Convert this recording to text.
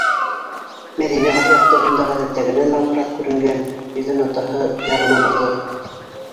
- Мәҙинә ай яҡтыһында ғәҙәттәгенән ағыраҡ күренгән йөҙөн атаһы яғына борҙо.